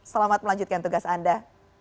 selamat melanjutkan tugas anda